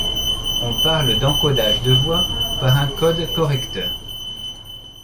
On parle d'encodage de voie par un code correcteur.